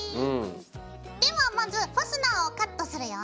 ではまずファスナーをカットするよ！